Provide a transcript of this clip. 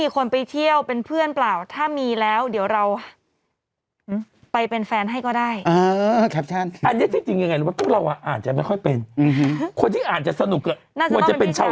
คนที่อ่านจะสนุกอะควรจะเป็นเช่าเช่า